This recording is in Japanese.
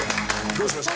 どうしました？